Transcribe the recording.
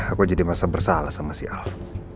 aku jadi masa bersalah sama si alde